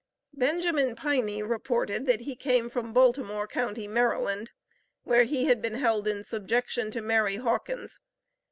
Benjamin Piney reported that he came from Baltimore county, Maryland, where he had been held in subjection to Mary Hawkins.